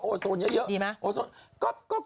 ออโซนเนี่ยเยอะดีมั้ย